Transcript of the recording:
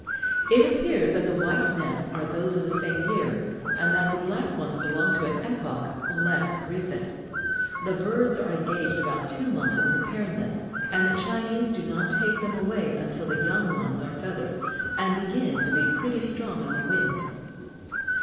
It appears that the white nests are those of the same year, and that the black ones belong to an epoch less recent. The birds are engaged about two months in preparing them, and the Chinese do not take them away until the young ones are feathered, and begin to be pretty strong on the wing.